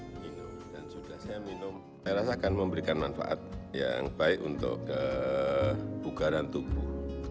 dan sudah saya minum saya rasakan memberikan manfaat yang baik untuk kebugaran tubuh